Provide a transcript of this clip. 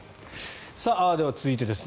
では、続いてです。